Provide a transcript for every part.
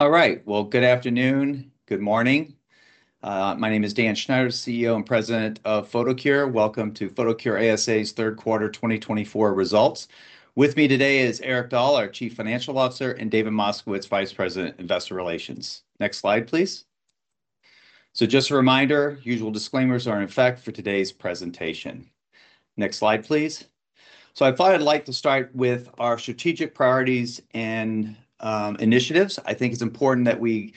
All right. Well, good afternoon. Good morning. My name is Dan Schneider, CEO and President of Photocure. Welcome to Photocure ASA's Q3 2024 results. With me today is Erik Dahl, our Chief Financial Officer, and David Moskowitz, Vice President, Investor Relations. Next slide, please. So just a reminder, usual disclaimers are in effect for today's presentation. Next slide, please. So I thought I'd like to start with our strategic priorities and initiatives. I think it's important that we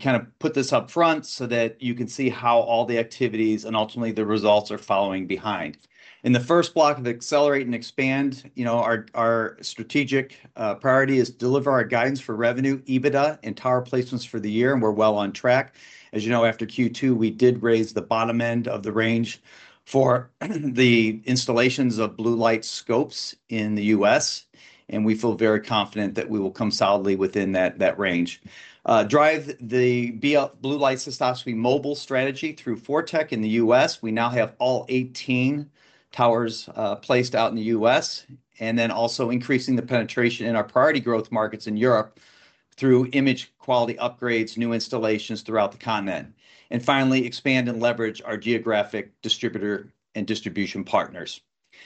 kind of put this up front so that you can see how all the activities and ultimately the results are following behind. In the first block of Accelerate and Expand, you know, our strategic priority is to deliver our guidance for revenue, EBITDA, and tower placements for the year, and we're well on track. As you know, after Q2, we did raise the bottom end of the range for the installations of Blue Light Scopes in the U.S., and we feel very confident that we will come solidly within that range. Drive the Blue Light Cystoscopy mobile strategy through ForTec in the U.S. We now have all 18 towers placed out in the U.S., and then also increasing the penetration in our priority growth markets in Europe through image quality upgrades, new installations throughout the continent, and finally, expand and leverage our geographic distributor and distribution partners.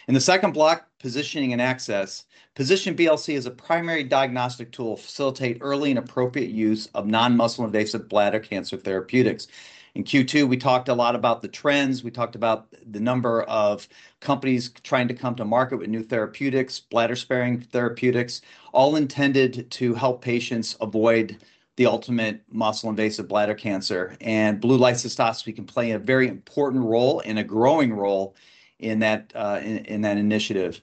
In the block, positioning and access, position BLC as a primary diagnostic tool to facilitate early and appropriate use of non-muscle-invasive bladder cancer therapeutics. In Q2, we talked a lot about the trends. We talked about the number of companies trying to come to market with new therapeutics, bladder-sparing therapeutics, all intended to help patients avoid the ultimate muscle-invasive bladder cancer. And Blue Light Cystoscopy can play a very important role and a growing role in that initiative.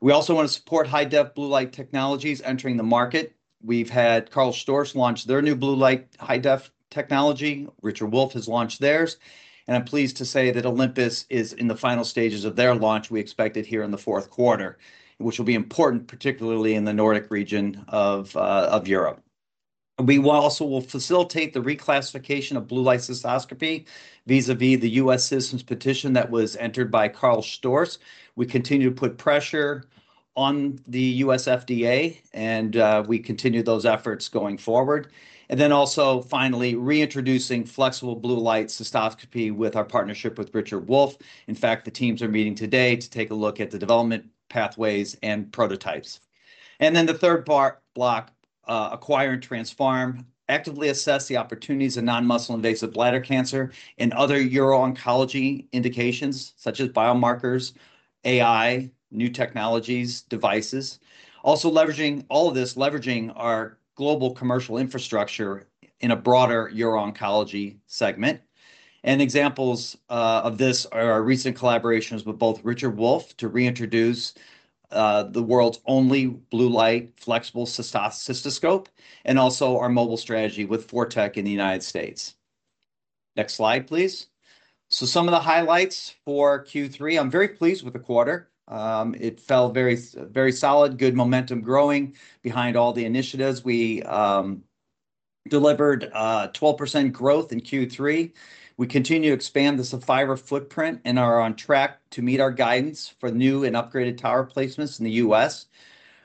We also want to support high-def Blue Light technologies entering the market. We've had Karl Storz launch their new Blue Light high-def technology. Richard Wolf has launched theirs. And I'm pleased to say that Olympus is in the final stages of their launch. We expect it here in the Q4, which will be important, particularly in the Nordic region of Europe. We also will facilitate the reclassification of Blue Light Cystoscopy vis-à-vis the U.S. Citizen Petition that was entered by Karl Storz. We continue to put pressure on the U.S. FDA, and we continue those efforts going forward. Then also, finally, reintroducing flexible Blue Light Cystoscopy with our partnership with Richard Wolf. In fact, the teams are meeting today to take a look at the development pathways and prototypes. Then the third block, acquire and transform, actively assess the opportunities of non-muscle-invasive bladder cancer and other uro-oncology indications such as biomarkers, AI, new technologies, devices. Also leveraging all of this, leveraging our global commercial infrastructure in a broader uro-oncology segment. Examples of this are our recent collaborations with both Richard Wolf to reintroduce the world's only Blue Light flexible cystoscope and also our mobile strategy with ForTec in the United States. Next slide, please. Some of the highlights for Q3. I'm very pleased with the quarter. It felt very solid, good momentum growing behind all the initiatives. We delivered 12% growth in Q3. We continue to expand the Sapphire footprint and are on track to meet our guidance for new and upgraded tower placements in the U.S.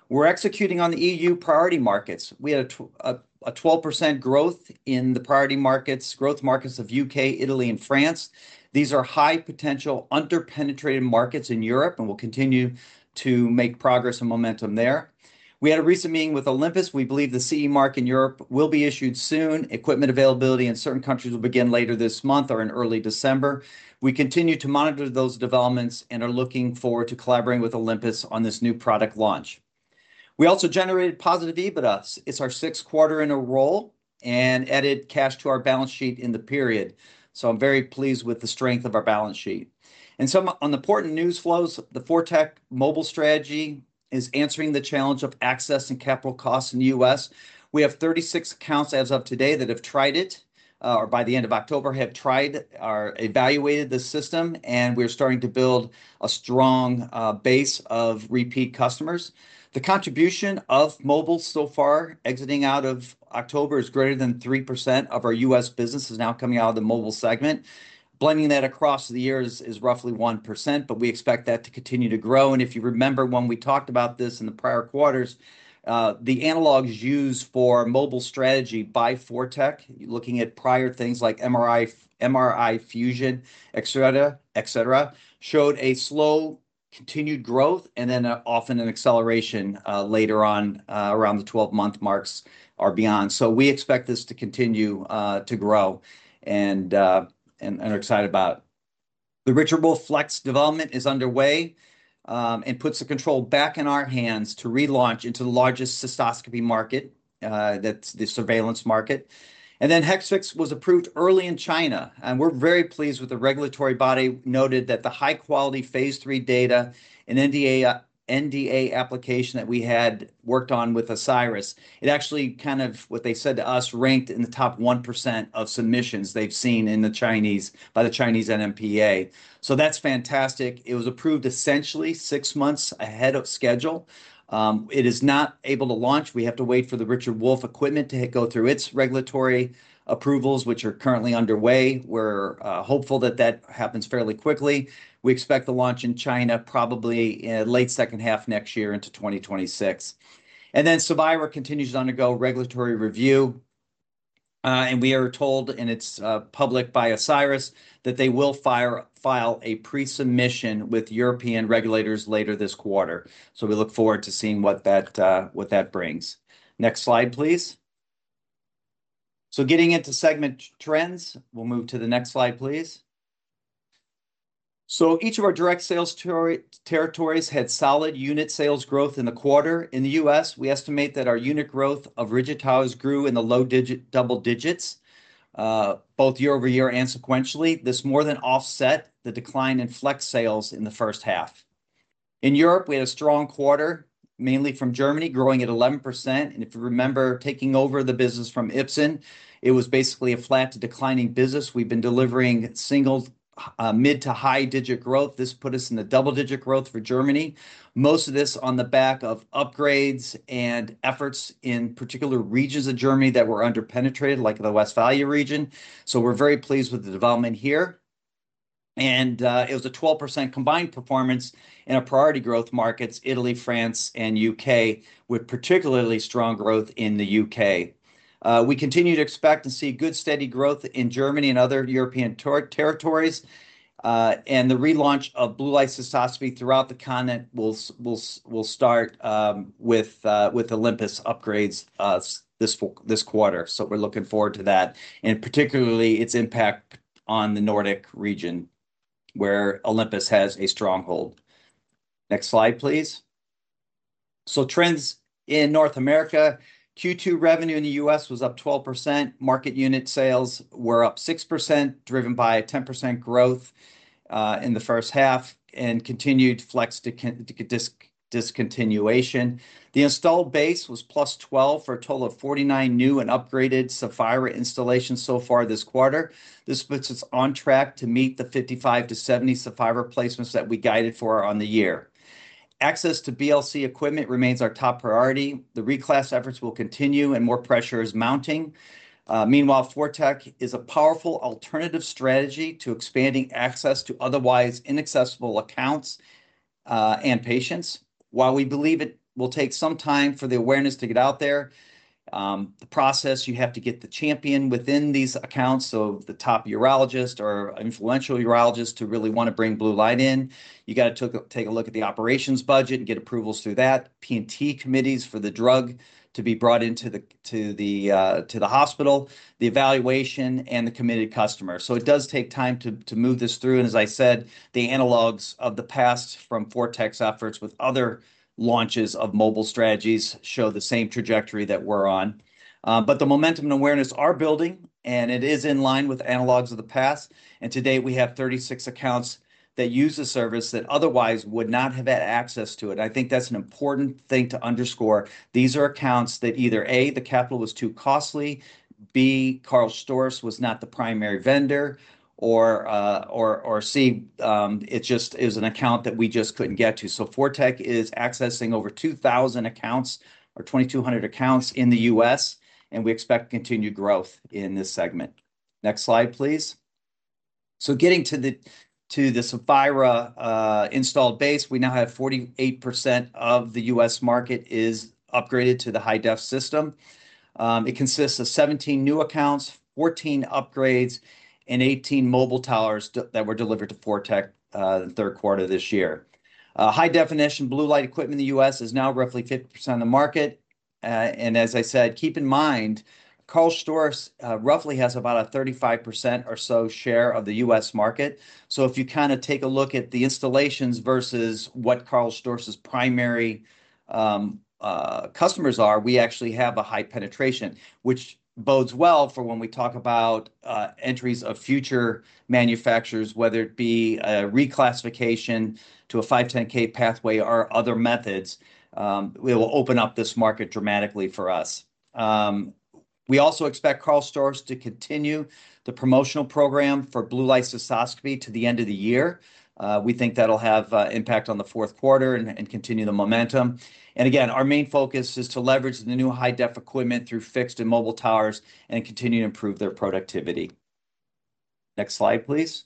We're executing on the EU priority markets. We had a 12% growth in the priority markets, growth markets of U.K., Italy, and France. These are high-potential under-penetrated markets in Europe, and we'll continue to make progress and momentum there. We had a recent meeting with Olympus. We believe the CE Mark in Europe will be issued soon. Equipment availability in certain countries will begin later this month or in early December. We continue to monitor those developments and are looking forward to collaborating with Olympus on this new product launch. We also generated positive EBITDA. It's our Q6 in a row and added cash to our balance sheet in the period, so I'm very pleased with the strength of our balance sheet. Some on the important news flows, the ForTec mobile strategy is answering the challenge of access and capital costs in the US. We have 36 accounts as of today that have tried it or by the end of October have tried or evaluated the system, and we're starting to build a strong base of repeat customers. The contribution of mobile so far exiting out of October is greater than 3%. Of our US business is now coming out of the mobile segment. Blending that across the year is roughly 1%, but we expect that to continue to grow. If you remember when we talked about this in the prior quarters, the analogs used for mobile strategy by ForTec, looking at prior things like MRI, MRI fusion, etc., etc., showed a slow continued growth and then often an acceleration later on around the 12-month marks or beyond. We expect this to continue to grow and are excited about it. The Richard Wolf Flex development is underway and puts the control back in our hands to relaunch into the largest cystoscopy market, that's the surveillance market. Hexvix was approved early in China, and we're very pleased with the regulatory body noting that the high-quality phase 3 data and NDA application that we had worked on with Asieris. It actually kind of, what they said to us, ranked in the top 1% of submissions they've seen by the Chinese NMPA. That's fantastic. It was approved essentially six months ahead of schedule. It is not able to launch. We have to wait for the Richard Wolf equipment to go through its regulatory approvals, which are currently underway. We're hopeful that that happens fairly quickly. We expect the launch in China probably in the late H2 next year into 2026. And then Cevira continues to undergo regulatory review. And we are told, and it's public by Asieris, that they will file a pre-submission with European regulators later this quarter. So we look forward to seeing what that brings. Next slide, please. So getting into segment trends, we'll move to the next slide, please. So each of our direct sales territories had solid unit sales growth in the quarter. In the U.S., we estimate that our unit growth of rigid towers grew in the low double digits, both year over year and sequentially. This more than offset the decline in flex sales in the H1. In Europe, we had a strong quarter, mainly from Germany, growing at 11%. If you remember taking over the business from Ipsen, it was basically a flat declining business. We've been delivering single- to mid- to high-digit growth. This put us in the double-digit growth for Germany, most of this on the back of upgrades and efforts in particular regions of Germany that were under-penetrated, like the Westphalia region. We're very pleased with the development here. It was a 12% combined performance in our priority growth markets, Italy, France, and UK, with particularly strong growth in the UK. We continue to expect and see good steady growth in Germany and other European territories. The relaunch of Blue Light Cystoscopy throughout the continent will start with Olympus upgrades this quarter. We're looking forward to that, and particularly its impact on the Nordic region, where Olympus has a stronghold. Next slide, please. Trends in North America. Q2 revenue in the U.S. was up 12%. Market unit sales were up 6%, driven by a 10% growth in the H1 and continued flex discontinuation. The installed base was plus 12 for a total of 49 new and upgraded Cevira installations so far this quarter. This puts us on track to meet the 55 to 70 Cevira placements that we guided for on the year. Access to BLC equipment remains our top priority. The reclass efforts will continue, and more pressure is mounting. Meanwhile, ForTec is a powerful alternative strategy to expanding access to otherwise inaccessible accounts and patients. While we believe it will take some time for the awareness to get out there, the process, you have to get the champion within these accounts of the top urologist or influential urologist to really want to bring Blue Light in. You got to take a look at the operations budget and get approvals through that, P&T committees for the drug to be brought into the hospital, the evaluation, and the committed customer, so it does take time to move this through, and as I said, the analogs of the past from ForTec efforts with other launches of mobile strategies show the same trajectory that we're on, but the momentum and awareness are building, and it is in line with analogs of the past, and today we have 36 accounts that use the service that otherwise would not have had access to it. I think that's an important thing to underscore. These are accounts that either, A, the capital was too costly, B, Karl Storz was not the primary vendor, or C, it just is an account that we just couldn't get to. ForTec is accessing over 2,000 accounts or 2,200 accounts in the US, and we expect continued growth in this segment. Next slide, please. Getting to the Saphira installed base, we now have 48% of the US market is upgraded to the high-def system. It consists of 17 new accounts, 14 upgrades, and 18 mobile towers that were delivered to ForTec in the Q3 of this year. High-definition Blue Light equipment in the US is now roughly 50% of the market. And as I said, keep in mind, Karl Storz roughly has about a 35% or so share of the US market. If you kind of take a look at the installations versus what Karl Storz's primary customers are, we actually have a high penetration, which bodes well for when we talk about entries of future manufacturers, whether it be a reclassification to a 510(k) pathway or other methods. It will open up this market dramatically for us. We also expect Karl Storz to continue the promotional program for Blue Light Cystoscopy to the end of the year. We think that'll have impact on the Q4 and continue the momentum. Again, our main focus is to leverage the new high-def equipment through fixed and mobile towers and continue to improve their productivity. Next slide, please.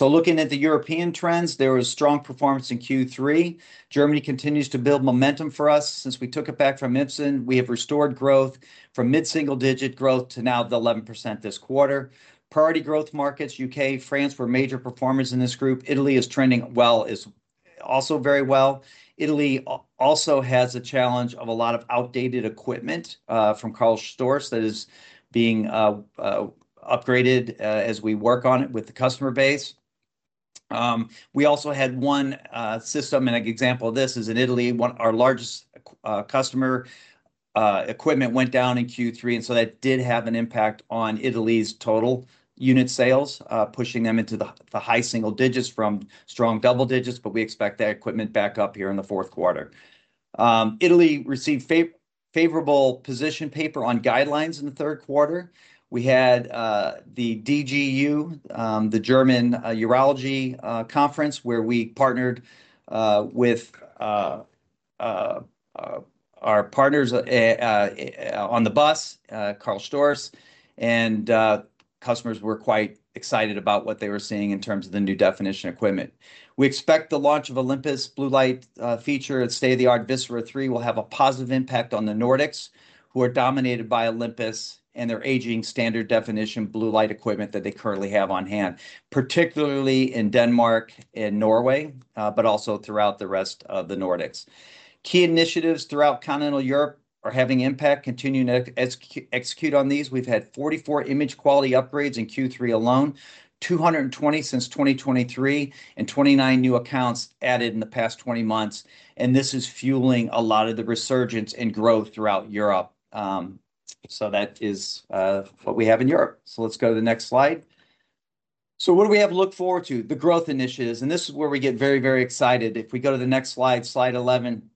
Looking at the European trends, there was strong performance in Q3. Germany continues to build momentum for us. Since we took it back from Ipsen, we have restored growth from mid-single digit growth to now the 11% this quarter. Priority growth markets, UK, France were major performers in this group. Italy is trending well as also very well. Italy also has a challenge of a lot of outdated equipment from Karl Storz that is being upgraded as we work on it with the customer base. We also had one system, and an example of this is in Italy, one of our largest customer equipment went down in Q3, and so that did have an impact on Italy's total unit sales, pushing them into the high single digits from strong double digits, but we expect that equipment back up here in the Q4. Italy received favorable position paper on guidelines in the Q3. We had the DGU, the German Urology Conference, where we partnered with our partners on the booth, Karl Storz. And customers were quite excited about what they were seeing in terms of the new definition equipment. We expect the launch of Olympus Blue Light feature at state-of-the-art VISERA 3 will have a positive impact on the Nordics, who are dominated by Olympus and their aging standard definition Blue Light equipment that they currently have on hand, particularly in Denmark and Norway, but also throughout the rest of the Nordics. Key initiatives throughout continental Europe are having impact. Continuing to execute on these, we've had 44 image quality upgrades in Q3 alone, 220 since 2023, and 29 new accounts added in the past 20 months. And this is fueling a lot of the resurgence and growth throughout Europe. So that is what we have in Europe. So let's go to the next slide. So what do we have to look forward to? The growth initiatives. And this is where we get very, very excited. If we go to the next slide, slide 11.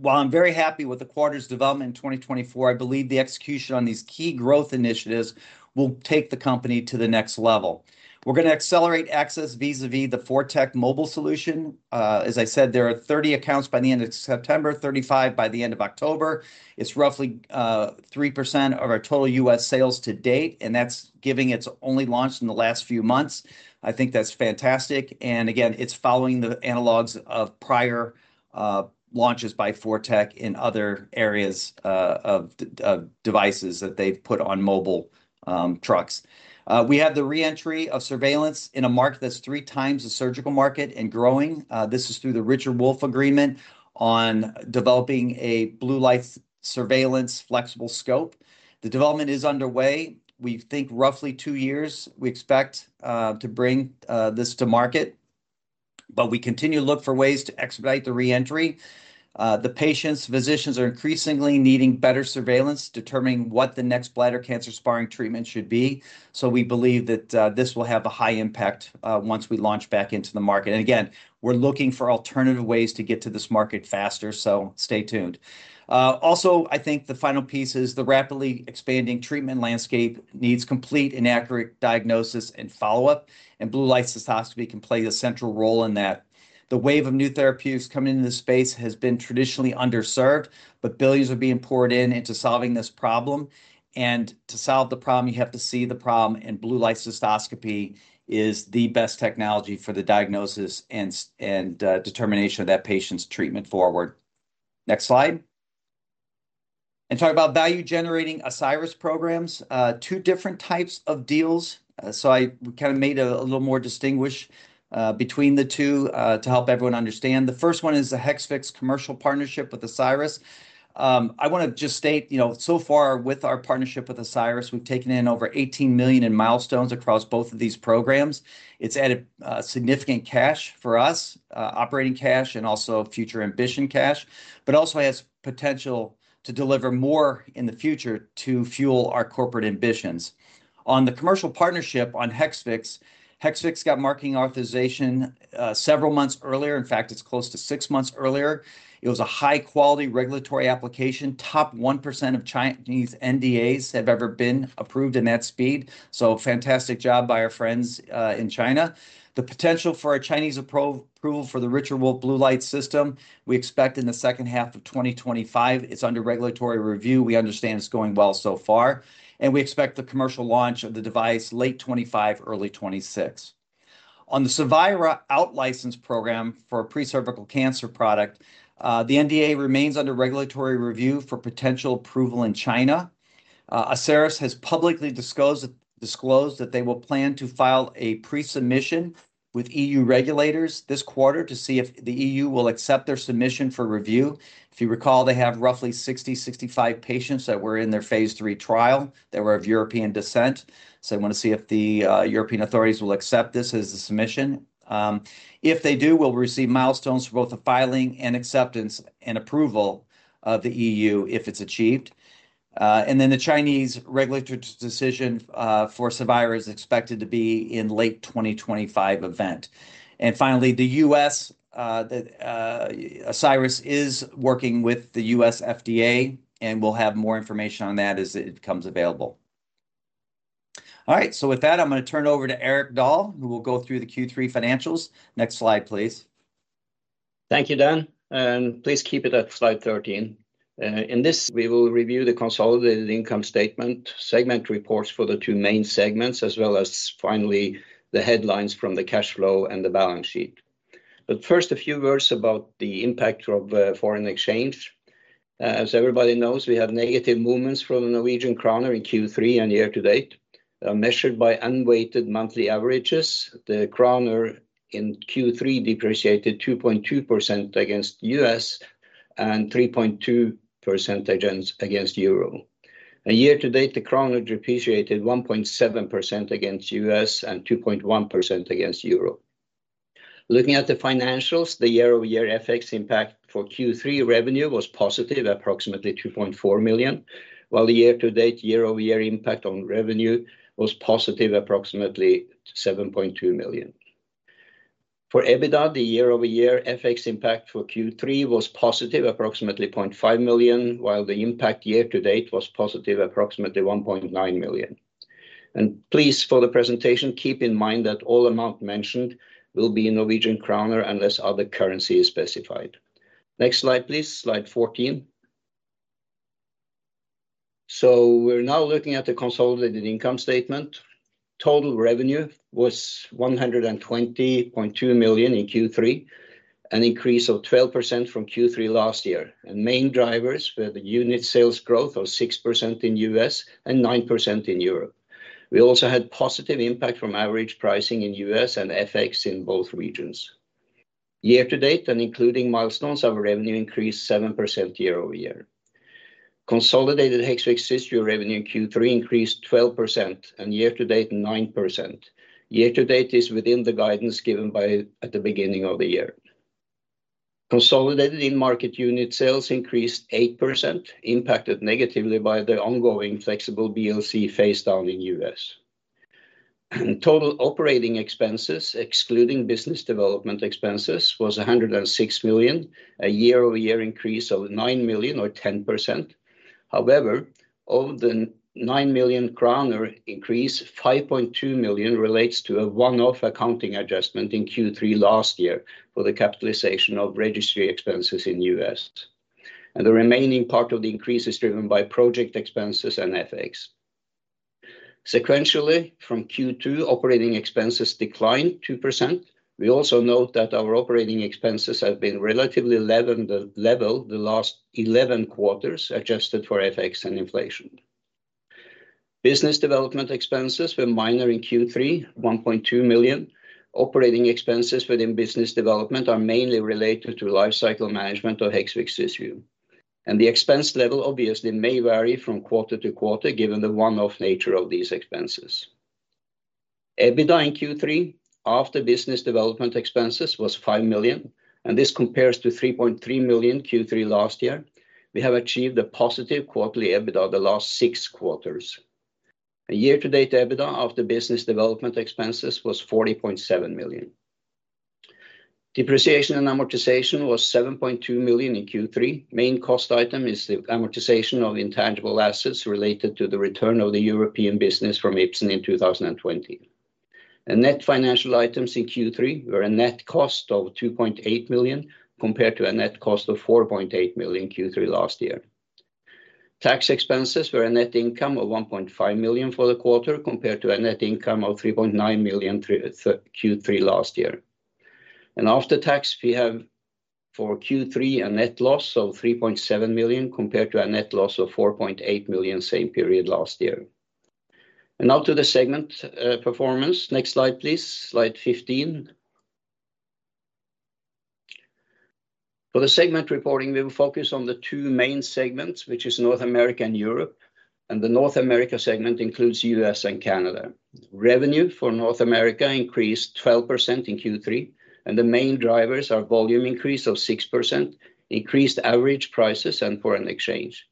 While I'm very happy with the quarter's development in 2024, I believe the execution on these key growth initiatives will take the company to the next level. We're going to accelerate access vis-à-vis the ForTec mobile solution. As I said, there are 30 accounts by the end of September, 35 by the end of October. It's roughly 3% of our total U.S. sales to date, and that's giving its only launch in the last few months. I think that's fantastic. And again, it's following the analogs of prior launches by ForTec in other areas of devices that they've put on mobile trucks. We have the reentry of surveillance in a market that's three times the surgical market and growing. This is through the Richard Wolf Agreement on developing a Blue Light surveillance flexible scope. The development is underway. We think roughly two years. We expect to bring this to market, but we continue to look for ways to expedite the reentry. The patients, physicians are increasingly needing better surveillance, determining what the next bladder cancer-sparing treatment should be, so we believe that this will have a high impact once we launch back into the market, and again, we're looking for alternative ways to get to this market faster, so stay tuned. Also, I think the final piece is the rapidly expanding treatment landscape needs complete and accurate diagnosis and follow-up, and Blue Light Cystoscopy can play a central role in that. The wave of new therapeutics coming into the space has been traditionally underserved, but billions are being poured in into solving this problem, and to solve the problem, you have to see the problem. And Blue Light Cystoscopy is the best technology for the diagnosis and determination of that patient's treatment forward. Next slide and talk about value-generating Asieris programs, two different types of deals, so I kind of made a little more distinguish between the two to help everyone understand. The first one is the Hexvix commercial partnership with Asieris. I want to just state, so far with our partnership with Asieris, we've taken in over 18 million in milestones across both of these programs. It's added significant cash for us, operating cash, and also future ambition cash, but also has potential to deliver more in the future to fuel our corporate ambitions. On the commercial partnership on Hexvix, Hexvix got marketing authorization several months earlier. In fact, it's close to six months earlier. It was a high-quality regulatory application. Top 1% of Chinese NDAs have ever been approved in that speed. So fantastic job by our friends in China. The potential for a Chinese approval for the Richard Wolf Blue Light system, we expect in the H2 of 2025. It's under regulatory review. We understand it's going well so far. And we expect the commercial launch of the device late 2025, early 2026. On the Cevira out-license program for a pre-cervical cancer product, the NDA remains under regulatory review for potential approval in China. Asieris has publicly disclosed that they will plan to file a pre-submission with E.U. regulators this quarter to see if the E.U. will accept their submission for review. If you recall, they have roughly 60, 65 patients that were in their phase three trial that were of European descent. So they want to see if the European authorities will accept this as a submission. If they do, we'll receive milestones for both the filing and acceptance and approval of the E.U. if it's achieved. And then the Chinese regulatory decision for Sapphira is expected to be in late 2025 event. And finally, the U.S., Asieris is working with the U.S. FDA, and we'll have more information on that as it becomes available. All right. So with that, I'm going to turn over to Erik Dahl, who will go through the Q3 financials. Next slide, please. Thank you, Dan. And please keep it at slide 13. In this, we will review the consolidated income statement segment reports for the two main segments, as well as finally the headlines from the cash flow and the balance sheet. But first, a few words about the impact of foreign exchange. As everybody knows, we have negative movements from the Norwegian kroner in Q3 and year-to-date, measured by unweighted monthly averages. The kroner in Q3 depreciated 2.2% against US and 3.2% against euro. And year-to-date, the kroner depreciated 1.7% against US and 2.1% against euro. Looking at the financials, the year-over-year FX impact for Q3 revenue was positive, approximately 2.4 million, while the year-to-date year-over-year impact on revenue was positive, approximately 7.2 million. For EBITDA, the year-over-year FX impact for Q3 was positive, approximately 0.5 million, while the impact year-to-date was positive, approximately 1.9 million. Please, for the presentation, keep in mind that all amounts mentioned will be in Norwegian kroner unless other currency is specified. Next slide, please. Slide 14. We're now looking at the consolidated income statement. Total revenue was 120.2 million in Q3, an increase of 12% from Q3 last year. The main drivers were the unit sales growth of 6% in U.S. and 9% in Europe. We also had positive impact from average pricing in U.S. and FX in both regions. Year-to-date and including milestones, our revenue increased 7% year-over-year. Consolidated Hexvix historic revenue in Q3 increased 12% and year-to-date 9%. Year-to-date is within the guidance given back at the beginning of the year. Consolidated in-market unit sales increased 8%, impacted negatively by the ongoing flexible BLC phase down in U.S. Total operating expenses, excluding business development expenses, was 106 million, a year-over-year increase of NOK 9 million or 10%. However, of the 9 million kroner increase, 5.2 million relates to a one-off accounting adjustment in Q3 last year for the capitalization of registry expenses in U.S. And the remaining part of the increase is driven by project expenses and FX. Sequentially, from Q2, operating expenses declined 2%. We also note that our operating expenses have been relatively level the last 11 quarters, adjusted for FX and inflation. Business development expenses were minor in Q3, 1.2 million. Operating expenses within business development are mainly related to life cycle management of Hexvix issue. And the expense level obviously may vary from quarter to quarter given the one-off nature of these expenses. EBITDA in Q3 after business development expenses was 5 million, and this compares to 3.3 million Q3 last year. We have achieved a positive quarterly EBITDA the last six quarters. Year-to-date EBITDA after business development expenses was 40.7 million. Depreciation and amortization was 7.2 million in Q3. Main cost item is the amortization of intangible assets related to the return of the European business from Ipsen in 2020. Net financial items in Q3 were a net cost of 2.8 million compared to a net cost of 4.8 million Q3 last year. Tax expenses were a net income of 1.5 million for the quarter compared to a net income of 3.9 million Q3 last year. After tax, we have for Q3 a net loss of 3.7 million compared to a net loss of 4.8 million same period last year. Now to the segment performance. Next slide, please. Slide 15. For the segment reporting, we will focus on the two main segments, which is North America and Europe. The North America segment includes U.S. and Canada. Revenue for North America increased 12% in Q3. The main drivers are volume increase of 6%, increased average prices, and foreign exchange.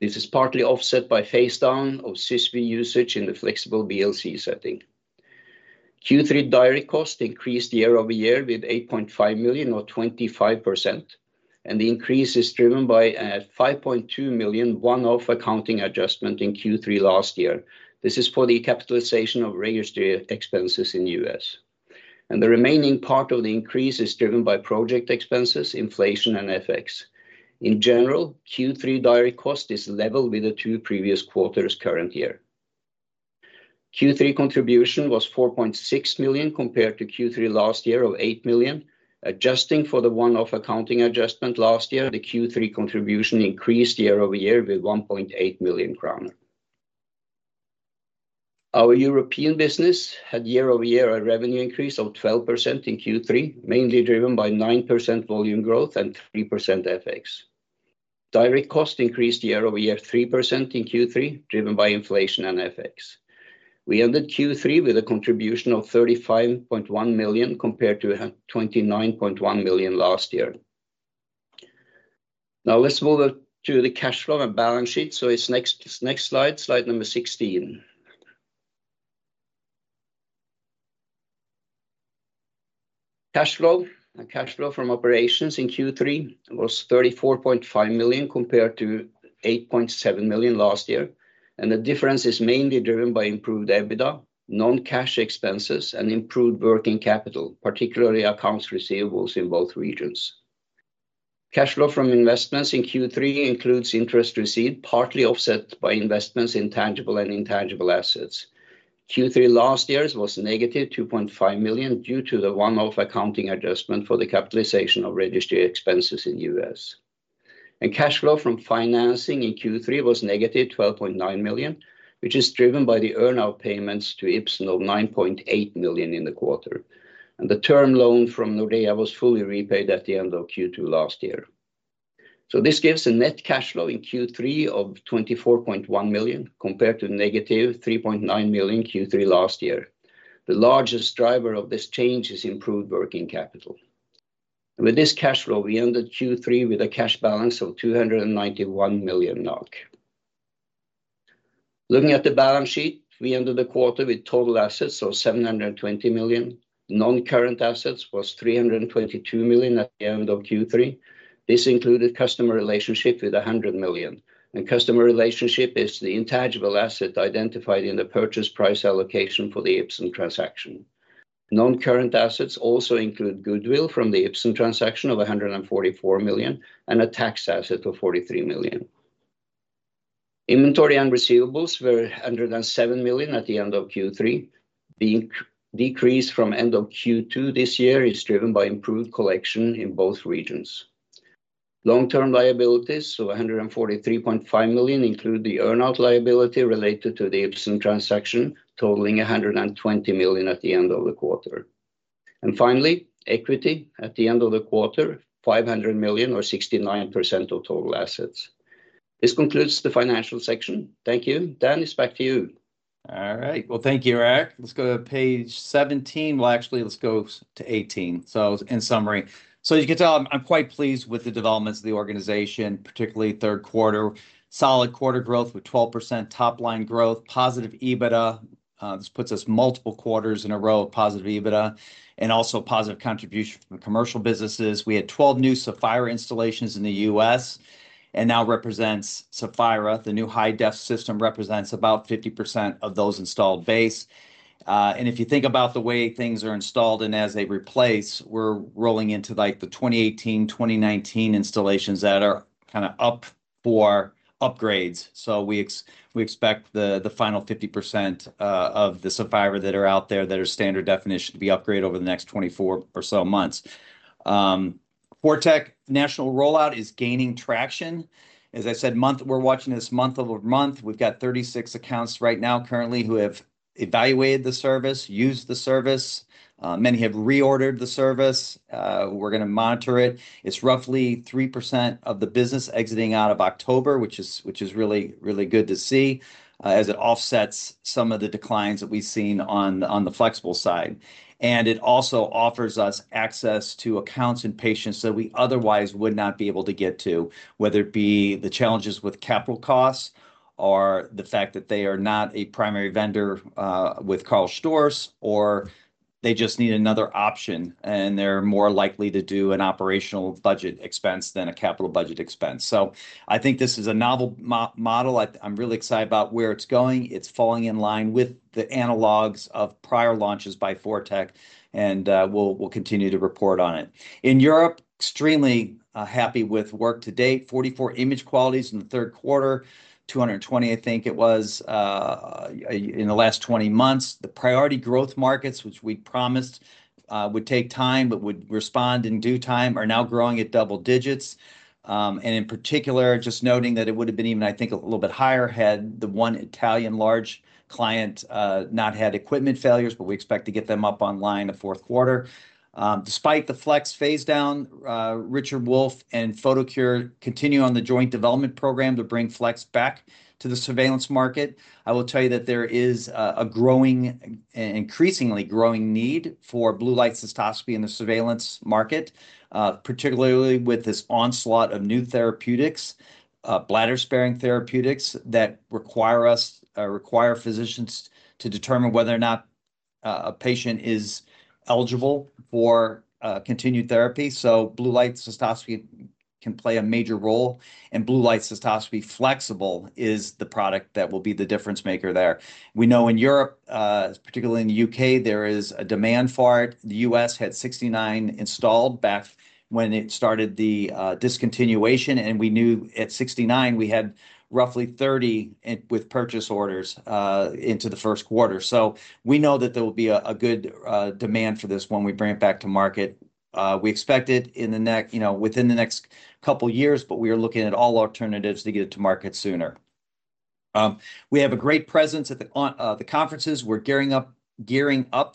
This is partly offset by phase down of Cysview usage in the flexible BLC setting. Q3 direct cost increased year-over-year with 8.5 million or 25%. And the increase is driven by a 5.2 million one-off accounting adjustment in Q3 last year. This is for the capitalization of registry expenses in the U.S. And the remaining part of the increase is driven by project expenses, inflation, and FX. In general, Q3 direct cost is level with the two previous quarters current year. Q3 contribution was 4.6 million compared to Q3 last year of 8 million. Adjusting for the one-off accounting adjustment last year, the Q3 contribution increased year-over-year with 1.8 million kroner. Our European business had year-over-year a revenue increase of 12% in Q3, mainly driven by 9% volume growth and 3% FX. Direct cost increased year-over-year 3% in Q3, driven by inflation and FX. We ended Q3 with a contribution of 35.1 million compared to 29.1 million last year. Now let's move to the cash flow and balance sheet. So it's next slide, slide number 16. Cash flow from operations in Q3 was 34.5 million compared to 8.7 million last year. And the difference is mainly driven by improved EBITDA, non-cash expenses, and improved working capital, particularly accounts receivables in both regions. Cash flow from investments in Q3 includes interest receipt, partly offset by investments in tangible and intangible assets. Q3 last year's was negative 2.5 million due to the one-off accounting adjustment for the capitalization of registry expenses in U.S. And cash flow from financing in Q3 was negative 12.9 million, which is driven by the earn-out payments to Ipsen of 9.8 million in the quarter. The term loan from Nordea was fully repaid at the end of Q2 last year. This gives a net cash flow in Q3 of 24.1 million NOK compared to negative 3.9 million NOK in Q3 last year. The largest driver of this change is improved working capital. With this cash flow, we ended Q3 with a cash balance of 291 million NOK. Looking at the balance sheet, we ended the quarter with total assets of 720 million NOK. Non-current assets was 322 million NOK at the end of Q3. This included customer relationship with 100 million NOK. Customer relationship is the intangible asset identified in the purchase price allocation for the Ipsen transaction. Non-current assets also include goodwill from the Ipsen transaction of 144 million NOK and a tax asset of 43 million NOK. Inventory and receivables were under 7 million NOK at the end of Q3. The decrease from end of Q2 this year is driven by improved collection in both regions. Long-term liabilities, so 143.5 million, include the earn-out liability related to the Ipsen transaction, totaling 120 million at the end of the quarter. And finally, equity at the end of the quarter, 500 million or 69% of total assets. This concludes the financial section. Thank you. Dan, it's back to you. All right. Well, thank you, Erik. Let's go to page 17. Well, actually, let's go to 18. So in summary, so you can tell I'm quite pleased with the developments of the organization, particularly Q3, solid quarter growth with 12% top-line growth, positive EBITDA. This puts us multiple quarters in a row of positive EBITDA and also positive contribution from commercial businesses. We had 12 new Sapphira installations in the U.S. and now represents Sapphira. The new high-def system represents about 50% of those installed base. If you think about the way things are installed and as they replace, we're rolling into like the 2018, 2019 installations that are kind of up for upgrades. We expect the final 50% of the Sapphira that are out there that are standard definition to be upgraded over the next 24 or so months. ForTec national rollout is gaining traction. As I said, we're watching this month over month. We've got 36 accounts right now currently who have evaluated the service, used the service. Many have reordered the service. We're going to monitor it. It's roughly 3% of the business exiting out of October, which is really good to see as it offsets some of the declines that we've seen on the flexible side. And it also offers us access to accounts and patients that we otherwise would not be able to get to, whether it be the challenges with capital costs or the fact that they are not a primary vendor with Karl Storz or they just need another option and they're more likely to do an operational budget expense than a capital budget expense. So I think this is a novel model. I'm really excited about where it's going. It's falling in line with the analogs of prior launches by ForTec and we'll continue to report on it. In Europe, extremely happy with work to date. 44 imaging units in the Q3, 220 I think it was in the last 20 months. The priority growth markets, which we promised would take time but would respond in due time, are now growing at double digits. In particular, just noting that it would have been even, I think, a little bit higher had the one Italian large client not had equipment failures, but we expect to get them online in the Q4. Despite the Flex phase down, Richard Wolf and Photocure continue on the joint development program to bring Flex back to the surveillance market. I will tell you that there is an increasingly growing need for blue light cystoscopy in the surveillance market, particularly with this onslaught of new therapeutics, bladder-sparing therapeutics that require physicians to determine whether or not a patient is eligible for continued therapy. So blue light cystoscopy can play a major role. And blue light cystoscopy flexible is the product that will be the difference maker there. We know in Europe, particularly in the UK, there is a demand for it. The US had 69 installed back when it started the discontinuation. And we knew at 69 we had roughly 30 with purchase orders into the Q1. So we know that there will be a good demand for this when we bring it back to market. We expect it within the next couple of years, but we are looking at all alternatives to get it to market sooner. We have a great presence at the conferences. We're gearing up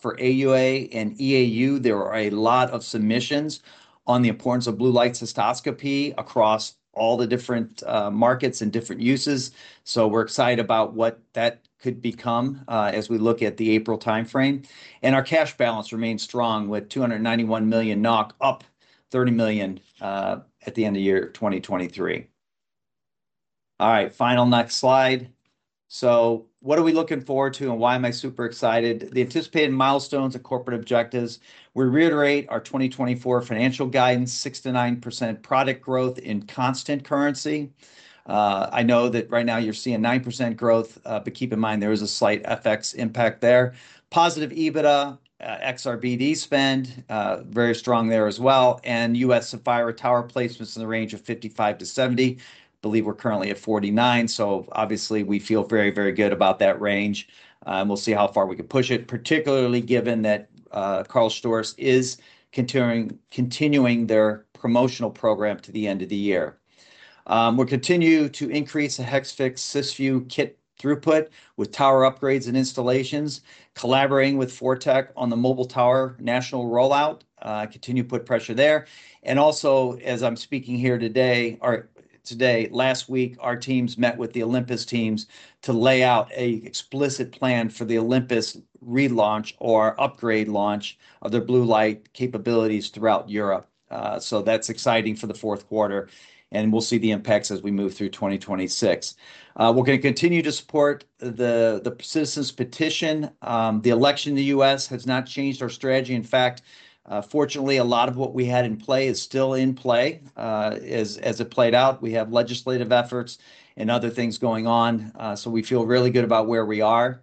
for AUA and EAU. There are a lot of submissions on the importance of blue light cystoscopy across all the different markets and different uses. So we're excited about what that could become as we look at the April timeframe. And our cash balance remains strong with 291 million NOK up 30 million at the end of year 2023. All right. Final next slide. So what are we looking forward to and why am I super excited? The anticipated milestones and corporate objectives. We reiterate our 2024 financial guidance, 6-9% product growth in constant currency. I know that right now you're seeing 9% growth, but keep in mind there is a slight FX impact there. Positive EBITDA, ex-BD spend, very strong there as well. And U.S. Saphira tower placements in the range of 55-70. I believe we're currently at 49. So obviously, we feel very, very good about that range. And we'll see how far we can push it, particularly given that Karl Storz is continuing their promotional program to the end of the year. We'll continue to increase the Hexvix Cysview kit throughput with tower upgrades and installations, collaborating with ForTec on the mobile tower national rollout, continue to put pressure there. And also, as I'm speaking here today, last week, our teams met with the Olympus teams to lay out an explicit plan for the Olympus relaunch or upgrade launch of their blue light capabilities throughout Europe. So that's exciting for the Q4. And we'll see the impacts as we move through 2026. We're going to continue to support the Citizen Petition. The election in the U.S. has not changed our strategy. In fact, fortunately, a lot of what we had in play is still in play as it played out. We have legislative efforts and other things going on. So we feel really good about where we are.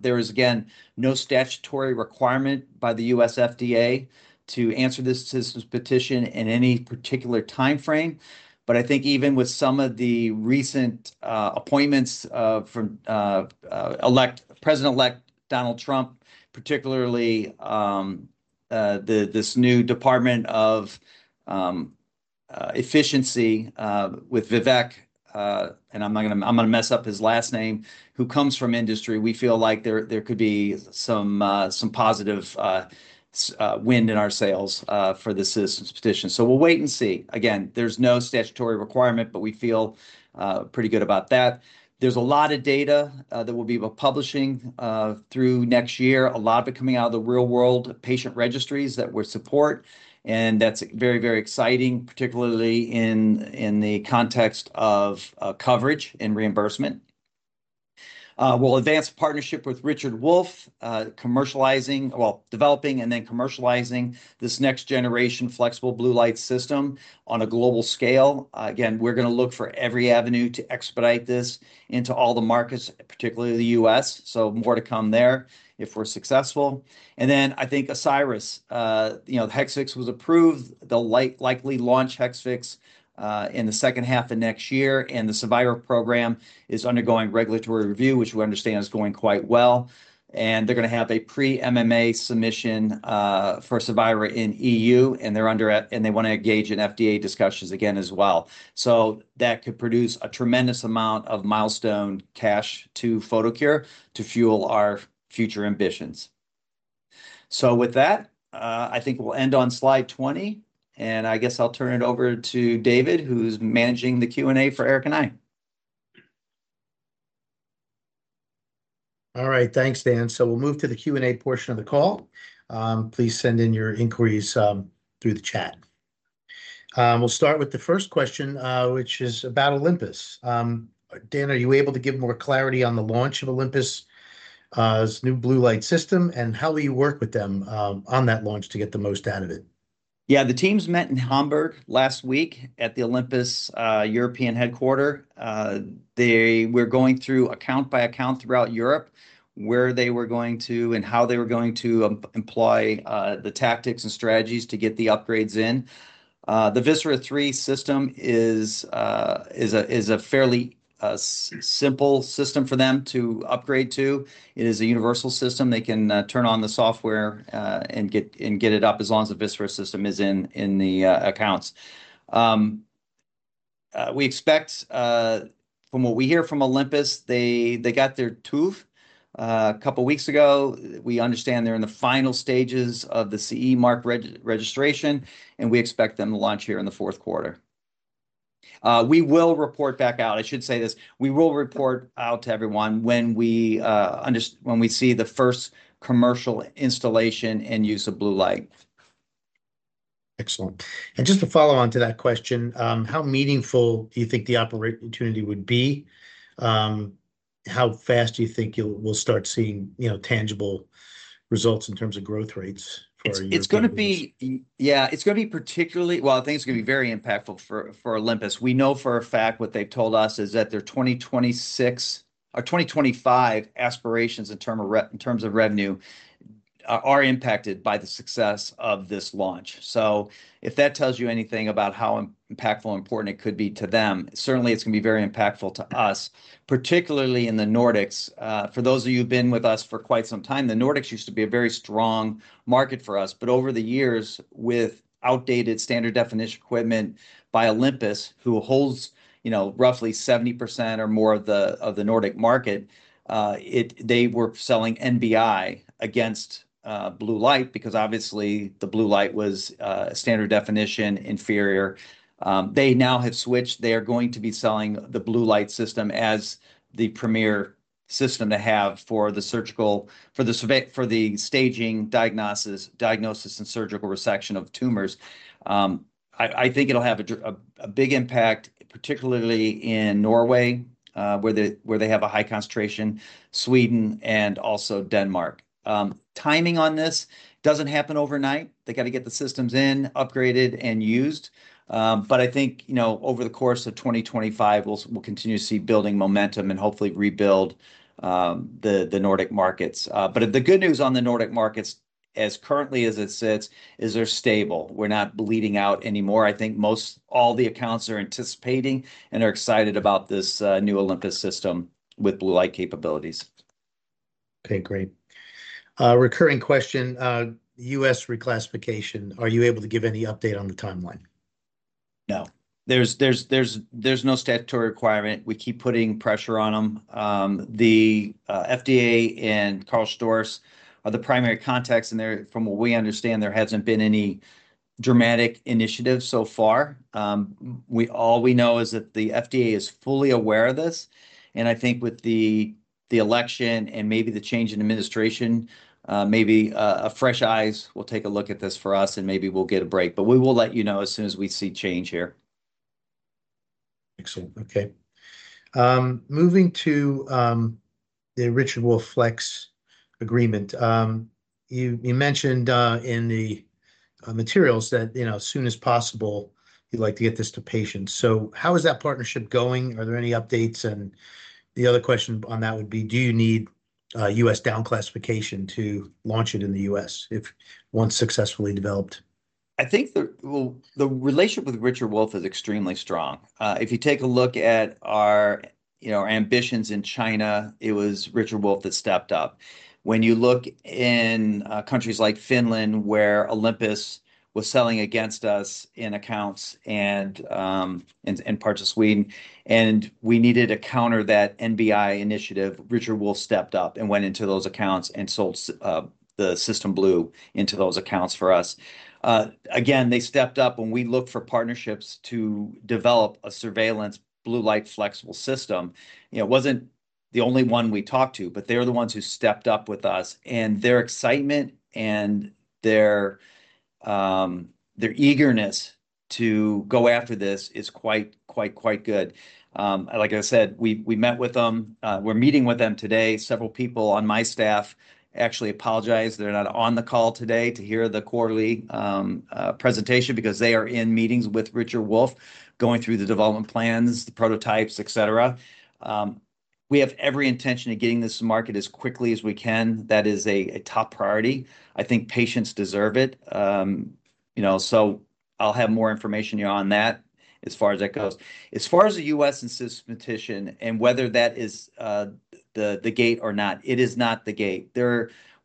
There is, again, no statutory requirement by the U.S. FDA to answer this Citizen Petition in any particular timeframe. But I think even with some of the recent appointments from President-elect Donald Trump, particularly this new Department of Efficiency with Vivek, and I'm going to mess up his last name, who comes from industry, we feel like there could be some positive wind in our sales for the Citizen Petition. So we'll wait and see. Again, there's no statutory requirement, but we feel pretty good about that. There's a lot of data that we'll be publishing through next year, a lot of it coming out of the real-world patient registries that we support. And that's very, very exciting, particularly in the context of coverage and reimbursement. We'll advance partnership with Richard Wolf, developing and then commercializing this next-generation flexible blue light system on a global scale. Again, we're going to look for every avenue to expedite this into all the markets, particularly the U.S. So more to come there if we're successful. And then I think Asieris, Hexvix was approved. They'll likely launch Hexvix in the H2 of next year. And the Cevira program is undergoing regulatory review, which we understand is going quite well. And they're going to have a pre-MAA submission for Cevira in EU. And they want to engage in FDA discussions again as well. So that could produce a tremendous amount of milestone cash to Photocure to fuel our future ambitions. So with that, I think we'll end on slide 20. And I guess I'll turn it over to David, who's managing the Q&A for Erik and I. All right. Thanks, Dan. So we'll move to the Q&A portion of the call. Please send in your inquiries through the chat. We'll start with the first question, which is about Olympus. Dan, are you able to give more clarity on the launch of Olympus's new blue light system and how will you work with them on that launch to get the most out of it? Yeah. The teams met in Hamburg last week at the Olympus European headquarters. We're going through account by account throughout Europe where they were going to and how they were going to employ the tactics and strategies to get the upgrades in. The Vissera 3 system is a fairly simple system for them to upgrade to. It is a universal system. They can turn on the software and get it up as long as the Vissera system is in the accounts. We expect, from what we hear from Olympus, they got their CE Mark a couple of weeks ago. We understand they're in the final stages of the CE Mark registration, and we expect them to launch here in the Q4. We will report back out. I should say this. We will report out to everyone when we see the first commercial installation and use of blue light. Excellent. And just to follow on to that question, how meaningful do you think the opportunity would be? How fast do you think you'll start seeing tangible results in terms of growth rates for your company? Yeah. It's going to be particularly well, I think it's going to be very impactful for Olympus. We know for a fact what they've told us is that their 2026 or 2025 aspirations in terms of revenue are impacted by the success of this launch. So if that tells you anything about how impactful and important it could be to them, certainly it's going to be very impactful to us, particularly in the Nordics. For those of you who've been with us for quite some time, the Nordics used to be a very strong market for us. But over the years, with outdated standard definition equipment by Olympus, who holds roughly 70% or more of the Nordic market, they were selling NBI against blue light because, obviously, the blue light was standard definition inferior. They now have switched. They are going to be selling the blue light system as the premier system to have for the surgical, for the staging, diagnosis, and surgical resection of tumors. I think it'll have a big impact, particularly in Norway, where they have a high concentration, Sweden, and also Denmark. Timing on this doesn't happen overnight. They got to get the systems in, upgraded, and used. But I think over the course of 2025, we'll continue to see building momentum and hopefully rebuild the Nordic markets. But the good news on the Nordic markets, as currently as it sits, is they're stable. We're not bleeding out anymore. I think all the accounts are anticipating and are excited about this new Olympus system with blue light capabilities. Okay. Great. Recurring question, U.S. reclassification. Are you able to give any update on the timeline? No. There's no statutory requirement. We keep putting pressure on them. The FDA and Karl Storz are the primary contacts. And from what we understand, there hasn't been any dramatic initiative so far. All we know is that the FDA is fully aware of this. And I think with the election and maybe the change in administration, maybe a fresh eyes will take a look at this for us, and maybe we'll get a break. But we will let you know as soon as we see change here. Excellent. Okay. Moving to the Richard Wolf Flex agreement. You mentioned in the materials that as soon as possible, you'd like to get this to patients. So how is that partnership going? Are there any updates? And the other question on that would be, do you need U.S. down classification to launch it in the U.S. once successfully developed? I think the relationship with Richard Wolf is extremely strong. If you take a look at our ambitions in China, it was Richard Wolf that stepped up. When you look in countries like Finland where Olympus was selling against us in accounts and in parts of Sweden, and we needed to counter that NBI initiative, Richard Wolf stepped up and went into those accounts and sold the System Blue into those accounts for us. Again, they stepped up when we looked for partnerships to develop a surveillance blue light flexible system. It wasn't the only one we talked to, but they're the ones who stepped up with us. And their excitement and their eagerness to go after this is quite, quite, quite good. Like I said, we met with them. We're meeting with them today. Several people on my staff actually apologize. They're not on the call today to hear the quarterly presentation because they are in meetings with Richard Wolf going through the development plans, the prototypes, etc. We have every intention of getting this to market as quickly as we can. That is a top priority. I think patients deserve it. So I'll have more information on that as far as that goes. As far as the U.S. and Citizen Petition and whether that is the gate or not, it is not the gate.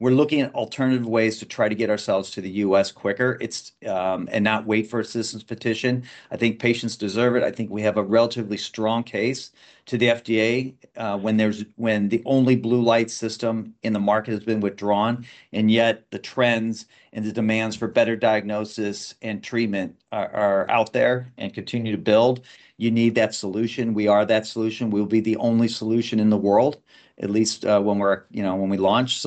We're looking at alternative ways to try to get ourselves to the U.S. quicker and not wait for a Citizen Petition. I think patients deserve it. I think we have a relatively strong case to the FDA when the only blue light system in the market has been withdrawn. And yet the trends and the demands for better diagnosis and treatment are out there and continue to build. You need that solution. We are that solution. We'll be the only solution in the world, at least when we launch.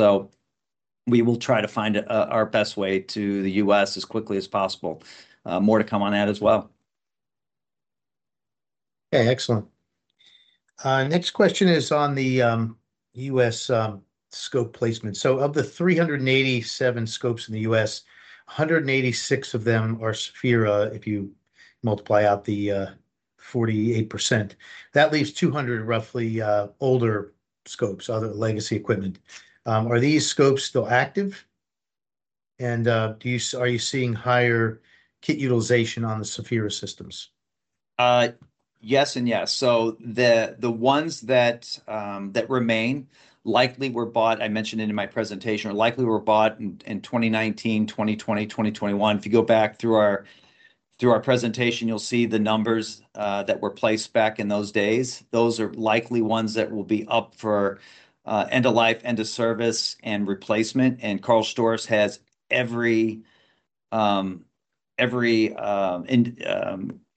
So we will try to find our best way to the US as quickly as possible. More to come on that as well. Okay. Excellent. Next question is on the US scope placement. So of the 387 scopes in the US, 186 of them are Saphira. If you multiply out the 48%, that leaves roughly 200 older scopes, other legacy equipment. Are these scopes still active? And are you seeing higher kit utilization on the Saphira systems? Yes and yes. So the ones that remain likely were bought, I mentioned in my presentation, in 2019, 2020, 2021. If you go back through our presentation, you'll see the numbers that were placed back in those days. Those are likely ones that will be up for end-of-life, end-of-service, and replacement. Karl Storz has every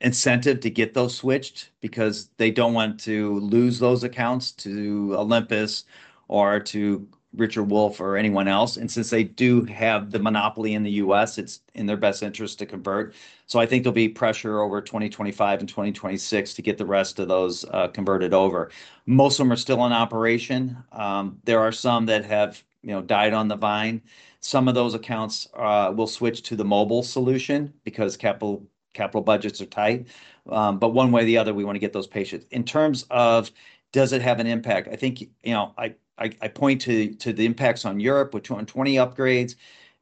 incentive to get those switched because they don't want to lose those accounts to Olympus or to Richard Wolf or anyone else. Since they do have the monopoly in the U.S., it's in their best interest to convert. I think there'll be pressure over 2025 and 2026 to get the rest of those converted over. Most of them are still in operation. There are some that have died on the vine. Some of those accounts will switch to the mobile solution because capital budgets are tight. One way or the other, we want to get those patients. In terms of does it have an impact, I think I point to the impacts on Europe with 220 upgrades.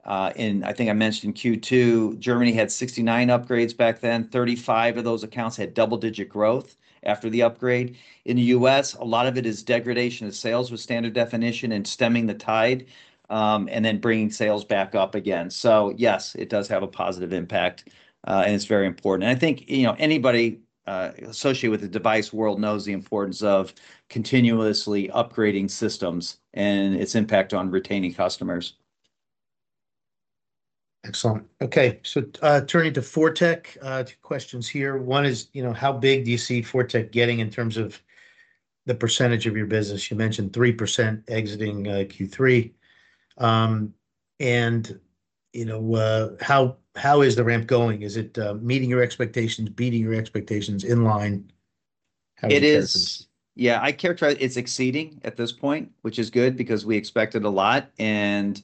I think I mentioned Q2, Germany had 69 upgrades back then. 35 of those accounts had double-digit growth after the upgrade. In the U.S., a lot of it is degradation of sales with standard definition and stemming the tide and then bringing sales back up again. So yes, it does have a positive impact, and it's very important. And I think anybody associated with the device world knows the importance of continuously upgrading systems and its impact on retaining customers. Excellent. Okay. So turning to ForTec, two questions here. One is, how big do you see ForTec getting in terms of the percentage of your business? You mentioned 3% exiting Q3. And how is the ramp going? Is it meeting your expectations, beating your expectations in line? It is. Yeah. I characterize it's exceeding at this point, which is good because we expected a lot. And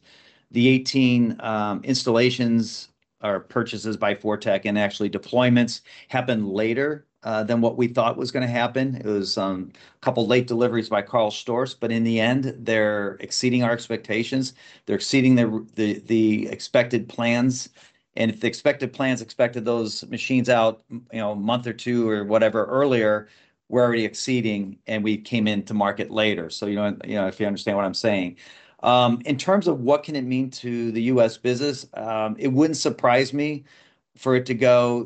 the 18 installations are purchases by ForTec, and actually deployments happen later than what we thought was going to happen. It was a couple of late deliveries by Karl Storz, but in the end, they're exceeding our expectations. They're exceeding the expected plans. And if the expected plans expected those machines out a month or two or whatever earlier, we're already exceeding, and we came into market later. So if you understand what I'm saying. In terms of what can it mean to the US business, it wouldn't surprise me for it to go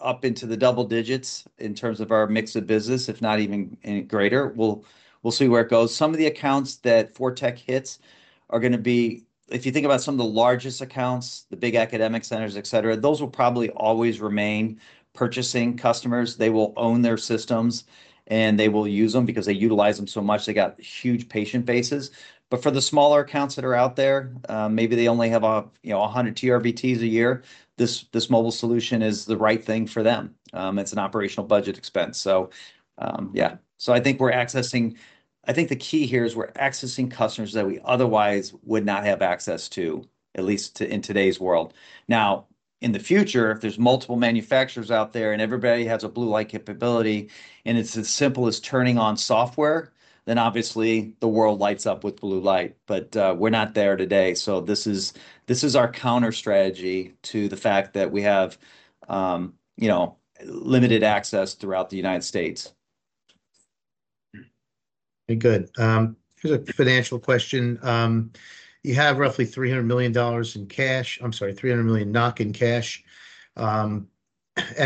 up into the double digits in terms of our mix of business, if not even greater. We'll see where it goes. Some of the accounts that ForTec hits are going to be if you think about some of the largest accounts, the big academic centers, etc., those will probably always remain purchasing customers. They will own their systems, and they will use them because they utilize them so much. They got huge patient bases. But for the smaller accounts that are out there, maybe they only have 100 TURBTs a year, this mobile solution is the right thing for them. It's an operational budget expense. So yeah. So I think we're accessing I think the key here is we're accessing customers that we otherwise would not have access to, at least in today's world. Now, in the future, if there's multiple manufacturers out there and everybody has a blue light capability, and it's as simple as turning on software, then obviously the world lights up with blue light. But we're not there today. So this is our counterstrategy to the fact that we have limited access throughout the United States. Okay. Good. Here's a financial question. You have roughly NOK 300 million in cash. I'm sorry, 300 million NOK in cash and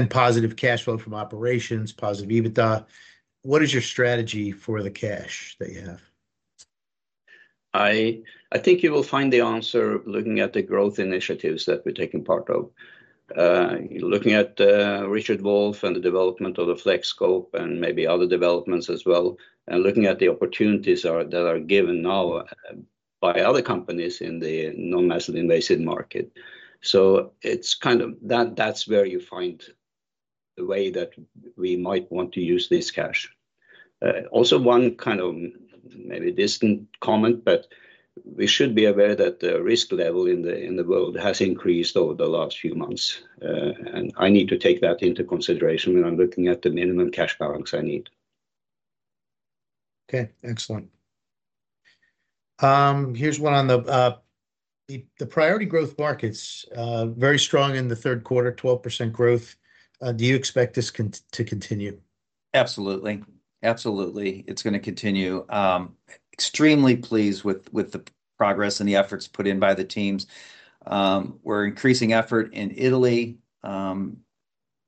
positive cash flow from operations, positive EBITDA. What is your strategy for the cash that you have? I think you will find the answer looking at the growth initiatives that we're taking part of, looking at Richard Wolf and the development of the Flex scope and maybe other developments as well, and looking at the opportunities that are given now by other companies in the non-muscle invasive market. So it's kind of that's where you find the way that we might want to use this cash. Also, one kind of maybe distant comment, but we should be aware that the risk level in the world has increased over the last few months, and I need to take that into consideration when I'm looking at the minimum cash balance I need. Okay. Excellent. Here's one on the priority growth markets. Very strong in the Q3, 12% growth. Do you expect this to continue? Absolutely. Absolutely. It's going to continue. Extremely pleased with the progress and the efforts put in by the teams. We're increasing effort in Italy.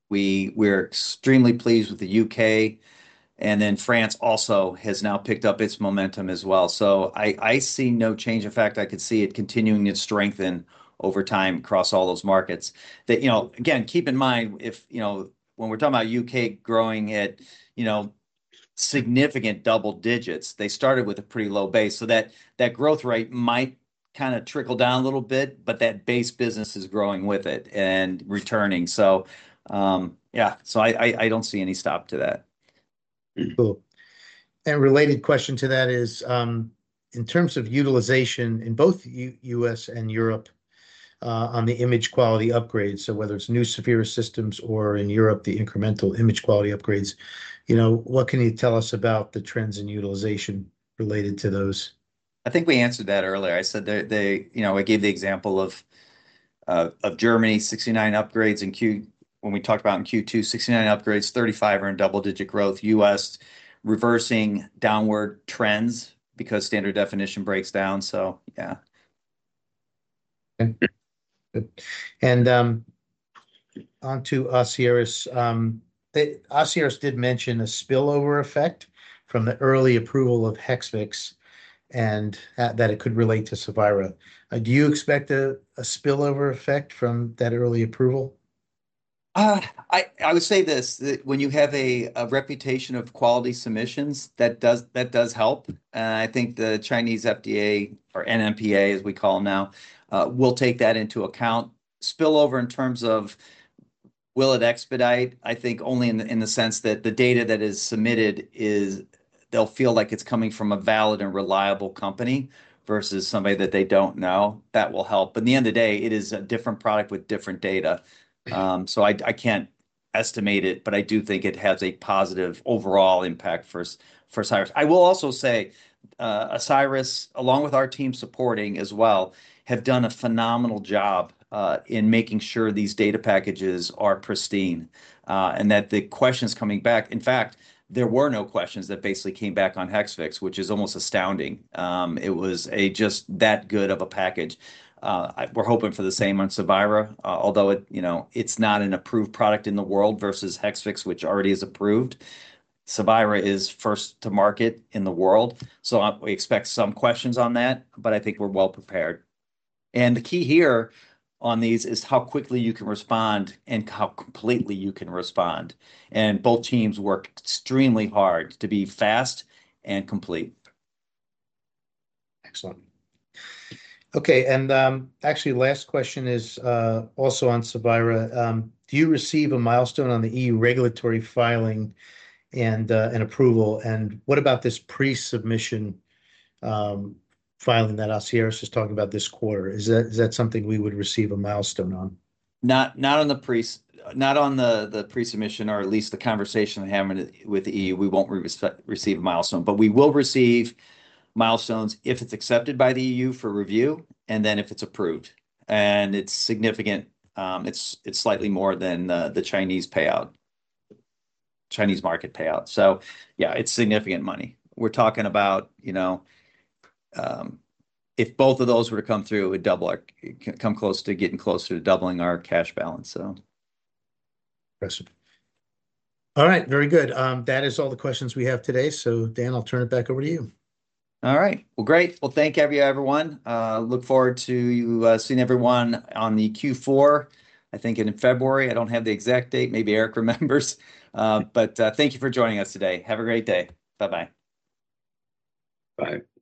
We're extremely pleased with the UK, and then France also has now picked up its momentum as well, so I see no change. In fact, I could see it continuing its strengthening over time across all those markets. Again, keep in mind, when we're talking about UK growing at significant double digits, they started with a pretty low base, so that growth rate might kind of trickle down a little bit, but that base business is growing with it and returning, so yeah, so I don't see any stop to that. Cool. And related question to that is, in terms of utilization in both U.S. and Europe on the image quality upgrades, so whether it's new Saphira systems or in Europe, the incremental image quality upgrades, what can you tell us about the trends in utilization related to those? I think we answered that earlier. I said I gave the example of Germany, 69 upgrades in Q when we talked about in Q2, 69 upgrades, 35 are in double-digit growth. U.S., reversing downward trends because standard definition breaks down. So yeah. Okay. Good. And on to Asieris. Asieris did mention a spillover effect from the early approval of Hexvix and that it could relate to Saphira. Do you expect a spillover effect from that early approval? I would say this. When you have a reputation of quality submissions, that does help. I think the Chinese FDA or NMPA, as we call them now, will take that into account. Spillover in terms of will it expedite? I think only in the sense that the data that is submitted, they'll feel like it's coming from a valid and reliable company versus somebody that they don't know. That will help. But at the end of the day, it is a different product with different data. So I can't estimate it, but I do think it has a positive overall impact for Osiris. I will also say Osiris, along with our team supporting as well, have done a phenomenal job in making sure these data packages are pristine and that the questions coming back. In fact, there were no questions that basically came back on Hexvix, which is almost astounding. It was just that good of a package. We're hoping for the same on Saphira, although it's not an approved product in the world versus Hexvix, which already is approved. Saphira is first to market in the world. So we expect some questions on that, but I think we're well prepared. And the key here on these is how quickly you can respond and how completely you can respond. And both teams work extremely hard to be fast and complete. Excellent. Okay. And actually, last question is also on Saphira. Do you receive a milestone on the EU regulatory filing and approval? And what about this pre-submission filing that Osiris is talking about this quarter? Is that something we would receive a milestone on? Not on the pre-submission or at least the conversation with the EU, we won't receive a milestone. But we will receive milestones if it's accepted by the EU for review and then if it's approved. And it's significant. It's slightly more than the Chinese market payout. So yeah, it's significant money. We're talking about if both of those were to come through, it would come close to getting closer to doubling our cash balance, so. Impressive. All right. Very good. That is all the questions we have today. So Dan, I'll turn it back over to you. All right. Well, great. Well, thank you, everyone. Look forward to seeing everyone on the Q4, I think, in February. I don't have the exact date. Maybe Erik remembers. But thank you for joining us today. Have a great day. Bye-bye. Bye.